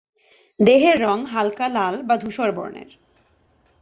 দেহের রং হালকা লাল বা ধূসর বর্ণের।